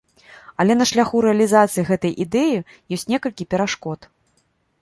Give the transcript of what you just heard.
Але на шляху рэалізацыі гэтай ідэі ёсць некалькі перашкод.